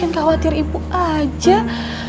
kenapa shallah tahu dulu kalian